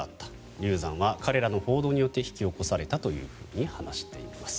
流産は彼らの報道によって引き起こされたと話しています。